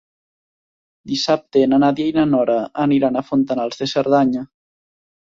Dissabte na Nàdia i na Nora aniran a Fontanals de Cerdanya.